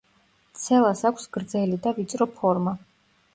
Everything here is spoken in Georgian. ცელას აქვს გრძელი და ვიწრო ფორმა.